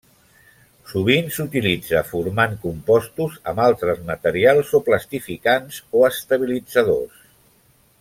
Sovint s'utilitza formant compostos amb altres materials o plastificants o estabilitzadors.